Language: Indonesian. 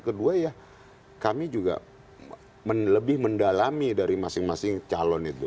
kedua ya kami juga lebih mendalami dari masing masing calon itu